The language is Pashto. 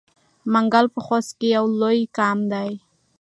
منګل په خوست کې یو لوی قوم دی.